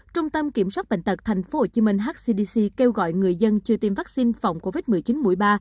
trung tâm kiểm soát bệnh tật tp hcm hcdc kêu gọi người dân chưa tiêm vaccine phòng covid một mươi chín mũi ba